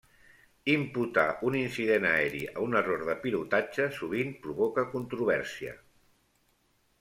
Imputar un incident aeri a un error de pilotatge sovint provoca controvèrsia.